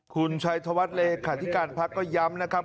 คุณชัยธวัฒน์เลขาธิการพักก็ย้ำนะครับ